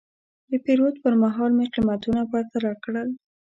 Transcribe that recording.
د پیرود پر مهال مې قیمتونه پرتله کړل.